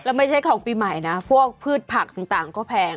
แล้วไม่ใช่ของปีใหม่นะพวกพืชผักต่างก็แพง